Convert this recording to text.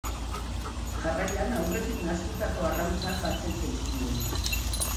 Jarraian aurretik nahastutako arrautzak batzen zaizkie.